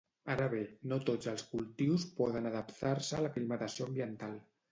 Ara bé, no tots els cultius poden adaptar-se a l'aclimatació ambiental.